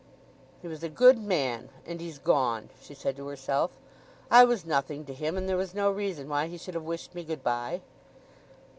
"He was a good man—and he's gone," she said to herself. "I was nothing to him, and there was no reason why he should have wished me good bye."